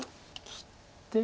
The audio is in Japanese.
切って。